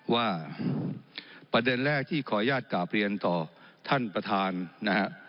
ว่าประเด็นแรกที่ขออนุญาตกราบเรียนต่อท่านประธานนะฮะ